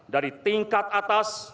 dari tingkat atas